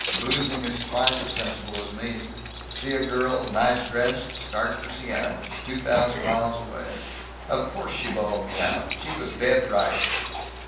Boozing is twice as sensible as me. See a girl, nice dress start for Seattle! Two thousand miles away! Of course she bawled me out. She was dead right.